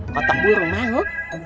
kotok burung mau